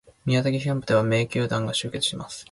宮崎キャンプでは各球団が集結します